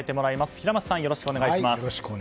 平松さん、よろしくお願いします。